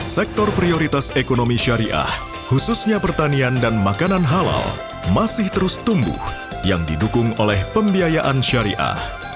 sektor prioritas ekonomi syariah khususnya pertanian dan makanan halal masih terus tumbuh yang didukung oleh pembiayaan syariah